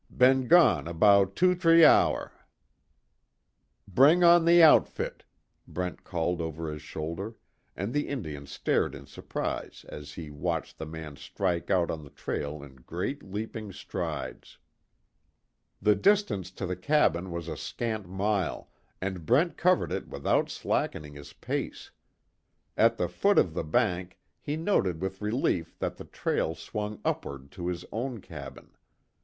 B'en gon' 'bout two t'ree hour!" "Bring on the outfit!" Brent called over his shoulder, and the Indian stared in surprise as he watched the man strike out on the trail in great leaping strides. The distance to the cabin was a scant mile, and Brent covered it without slackening his pace. At the foot of the bank, he noted with relief that the trail swung upward to his own cabin.